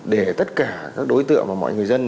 để tất cả các đối tượng và mọi người dân